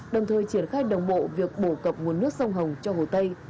đồng thời triển khai đồng bộ việc bổ cập nguồn nước sông hồng cho hồ tây